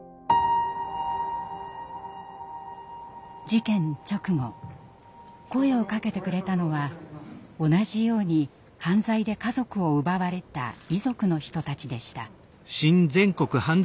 事件直後声をかけてくれたのは同じように犯罪で家族を奪われた遺族の人たちでした。